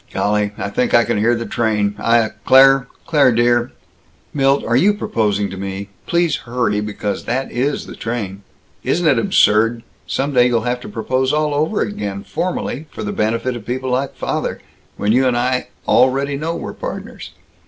"Golly, I think I can hear the train. I, uh, Claire, Claire dear " "Milt, are you proposing to me? Please hurry, because that is the train. Isn't it absurd some day you'll have to propose all over again formally, for the benefit of people like father, when you and I already know we're partners!